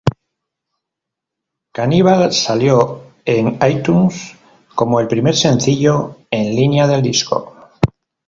Cannibal salió en iTunes como el primer sencillo en línea del disco.